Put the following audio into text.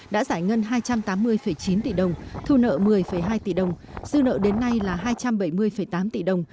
đã giải ngân hai trăm tám mươi chín tỷ đồng thu nợ một mươi hai tỷ đồng dư nợ đến nay là hai trăm bảy mươi tám tỷ đồng